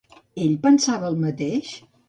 Ell pensava el mateix?